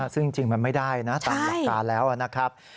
ซึ่งจริงมันไม่ได้นะตามหลักการแล้วนะครับ